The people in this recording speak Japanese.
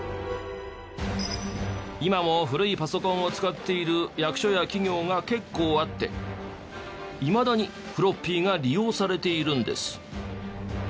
今も古いパソコンを使っている役所や企業が結構あっていまだにフロッピーが利用されているんです。